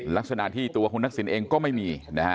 ลักษณะที่ตัวคุณนักศิลป์เองก็ไม่มี